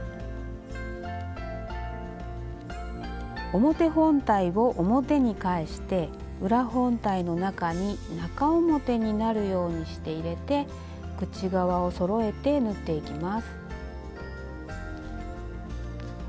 表本体を表に返して裏本体の中に中表になるようにして入れて口側をそろえて縫っていきます。